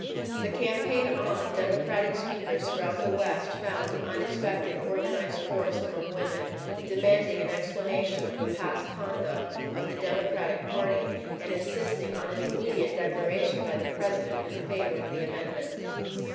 The campaign on, Democratic speakers throughout the West found an unexpected organized force among women, demanding an explanation of the past conduct of the Democratic Party and insisting on an immediate declaration by the President in favor of the amendment.